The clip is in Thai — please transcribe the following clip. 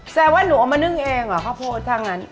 แสดงว่าหนูเอามานึงเองเหรอข้าวโพดถ้างั้น